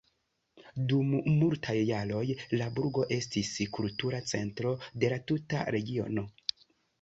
Dum multaj jaroj la burgo estis kultura centro de la tuta regiono.